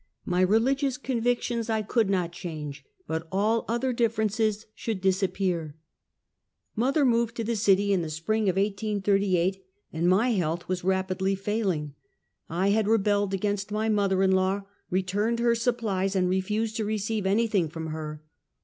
My religious convictions I could not change, but all other difierences should disappear. Mother moved to the city in the spring of 1838', and my health was rapidly failing. I had rebelled against my mother in law, returned her supplies, and refused to receive anything from her.